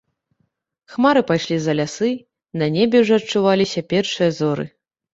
Хмары пайшлі за лясы, на небе ўжо адчуваліся першыя зоры.